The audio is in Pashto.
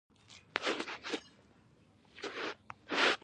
دوی له دې وسایلو څخه د خپلو شخصي ګټو لپاره کار اخلي.